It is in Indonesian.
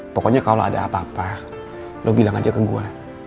pokoknya kalau ada apa apa lo bilang aja ke gue